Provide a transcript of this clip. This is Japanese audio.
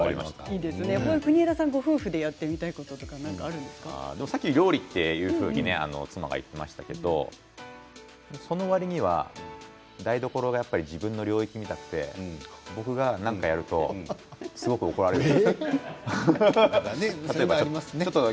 国枝さんはご夫婦でさっき料理と妻が言っていましたけれどもそのわりには台所が自分の領域みたいで僕が何かやるとすごく怒られるの。